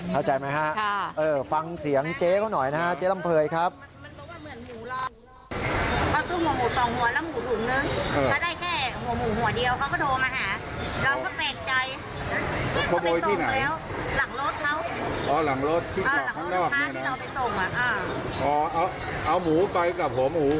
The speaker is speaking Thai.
เข้าใจไหมฮะฟังเสียงเจ๊เขาหน่อยนะฮะเจ๊ลำเภยครับ